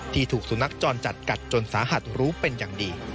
ถูกสุนัขจรจัดกัดจนสาหัสรู้เป็นอย่างดี